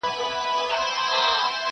لکه جوړه له مرمرو نازنینه!